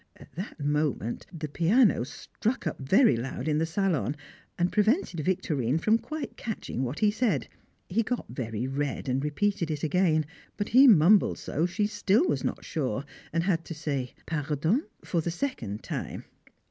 At that moment the piano struck up very loud in the salon, and prevented Victorine from quite catching what he said; he got very red and repeated it again, but he mumbled so she still was not sure, and had to say "Pardon?" for the second time.